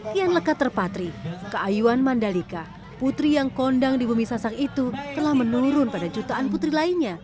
kian lekat terpatri keayuan mandalika putri yang kondang di bumi sasak itu telah menurun pada jutaan putri lainnya